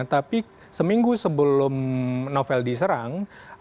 tapi seminggu sebelum novel diserang